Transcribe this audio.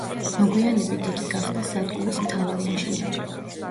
მოგვიანებით იგი გახდა სადგურის მთავარი ინჟინერი.